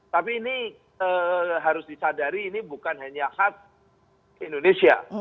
tapi ini harus disadari ini bukan hanya hak indonesia